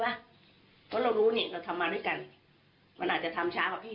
เพราะเรารู้นี่เราทำมาด้วยกันมันอาจจะทำช้าอะพี่